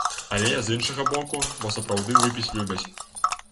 Але, з іншага боку, бо сапраўды выпіць любяць.